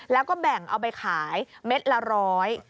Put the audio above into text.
แล้วก็แบ่งเอาไปขายเม็ดละร้อย